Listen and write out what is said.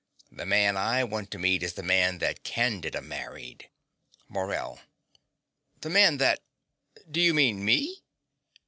The man I want to meet is the man that Candida married. MORELL. The man that ? Do you mean me?